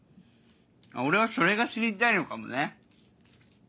俺はそれが知りたいのかもね。